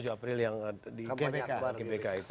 tujuh april yang di gbk itu